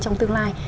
trong tương lai